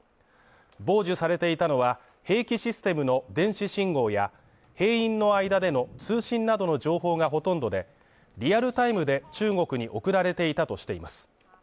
傍受されていたのは、兵器システムの電子信号や兵員の間での通信などの情報がほとんどで、リアルタイムで中国に送られていたとしています。